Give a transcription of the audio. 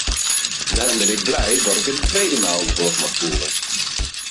Daarom ben ik blij dat ik een tweede maal het woord mag voeren.